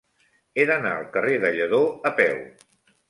He d'anar al carrer de Lledó a peu.